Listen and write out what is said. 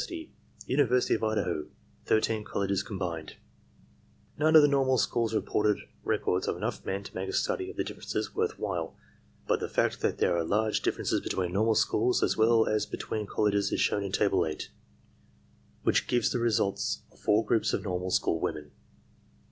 U. of Idaho 13 collies combined TESTS IN STUDENTS' ARMY TRAINING CORPS 169 None of the normal schools reported records of enough men to make a study of the differences worth while, but the fact that there are large differences between normal schools as well as between colleges is shown in Table 8, which gives the results for four groups of normal school women.